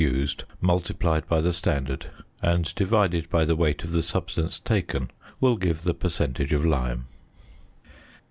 used multiplied by the standard, and divided by the weight of the substance taken, will give the percentage of lime.